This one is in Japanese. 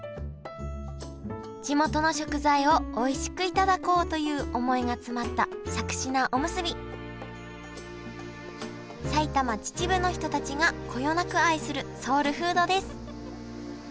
地元の食材をおいしくいただこうという思いが詰まったしゃくし菜おむすび埼玉・秩父の人たちがこよなく愛するソウルフードです